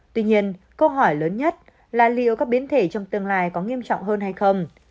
tuy nhiên câu hỏi lớn nhất là liệu các biến thể trong tương lai có nghiêm trọng hơn hay không